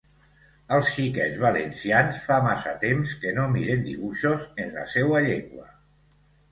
El xiquets valencians fa massa temps que no miren dibuixos en la seua llengua.